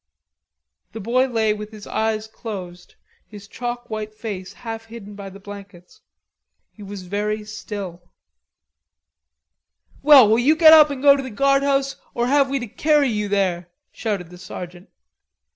The boy lay with his eyes closed, his chalk white face half hidden by the blankets; he was very still. "Well, will you get up and go to the guardhouse, or have we to carry you there?" shouted the sergeant.